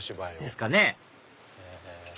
ですかね